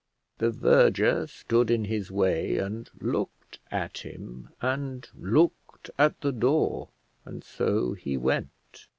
The verger stood in his way, and looked at him and looked at the door, and so he went.